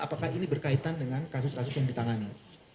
apakah ini berkaitan dengan kasus kasus yang ditangani